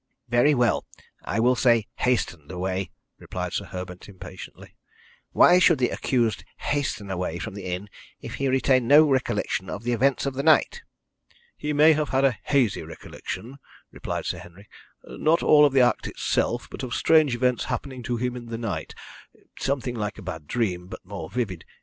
"Very well, I will say hastened away," replied Sir Herbert impatiently. "Why should the accused hasten away from the inn if he retained no recollection of the events of the night?" "He may have had a hazy recollection," replied Sir Henry. "Not of the act itself, but of strange events happening to him in the night something like a bad dream, but more vivid.